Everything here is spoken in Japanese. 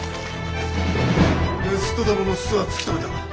盗人どもの巣は突き止めた。